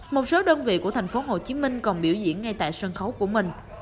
một số đơn vị của thành phố hồ chí minh còn biểu diễn ngay tại sân khấu của mình